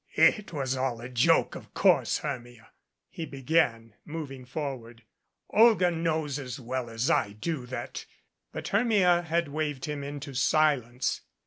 "It was all a joke, of course, Hermia," he began, moving forward. "Olga knows as well as I do that " But Hermia had waved him into silence.